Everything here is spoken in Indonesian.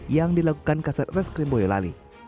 yang dilakukan kasat reskrim boyolali